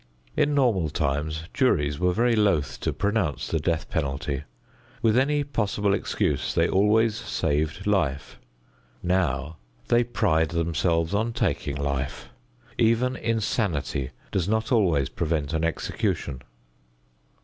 In normal times juries were very loath to pronounce the death penalty. With any possible excuse they always saved life. Now they pride themselves on taking life. Even insanity does not always prevent an execution.